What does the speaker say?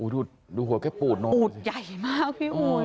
หูอุดขนาดมาก